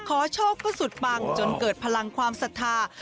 โชคก็สุดปังจนเกิดพลังความศรัทธา